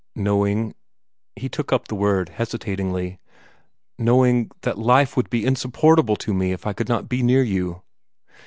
"Knowing " he took up the word hesitatingly "knowing that life would be insupportable to me if I could not be near you."